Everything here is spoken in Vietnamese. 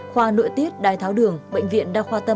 khoa nội tiết đài tháo đường bệnh viện đa khoa tâm anh ra đời